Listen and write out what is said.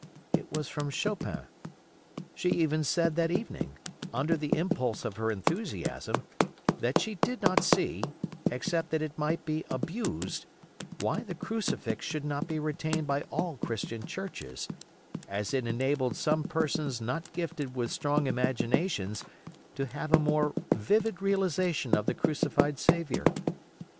It was from Chopin. She even said that evening, under the impulse of her enthusiasm, that she did not see, except that it might be abused, why the crucifix should not be retained by all Christian churches, as it enabled some persons not gifted with strong imaginations to have a more vivid realization of the crucified Saviour.